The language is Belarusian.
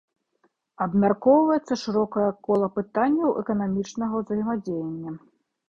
Абмяркоўваецца шырокае кола пытанняў эканамічнага ўзаемадзеяння.